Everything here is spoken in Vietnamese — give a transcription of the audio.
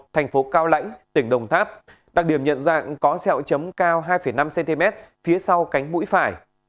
thành phố cao lãnh tỉnh đồng tháp đặc điểm nhận dạng có sẹo chấm cao hai năm cm phía sau cánh mũi phải